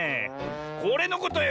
これのことよ。